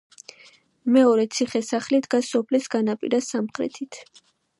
მეორე ციხე-სახლი დგას სოფლის განაპირას სამხრეთით.